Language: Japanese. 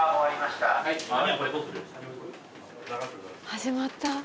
始まった。